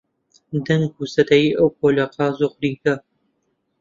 دەنگ و سەدای ئەو پۆلە قاز و قورینگە